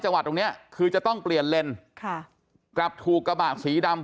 วัดตรงเนี้ยคือจะต้องเปลี่ยนเลนค่ะกลับถูกกระบะสีดำ